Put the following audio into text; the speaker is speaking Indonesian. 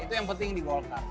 itu yang penting di golkar